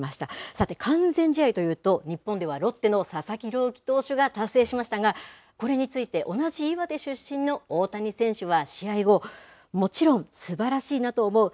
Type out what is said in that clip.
さて、完全試合というと、日本ではロッテの佐々木朗希投手が達成しましたが、これについて、同じ岩手出身の大谷選手は、試合後、もちろんすばらしいなと思う。